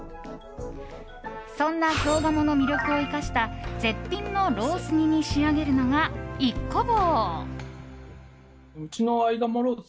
そんな京鴨の魅力を生かした絶品のロース煮に仕上げるのが一湖房。